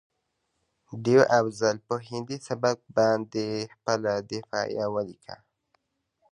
ډيوه افضل په هندي سبک باندې خپله دفاعیه ولیکه